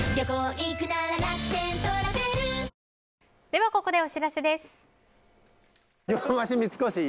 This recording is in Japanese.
ではここでお知らせです。